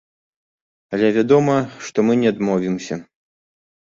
Але вядома, што мы не адмовімся.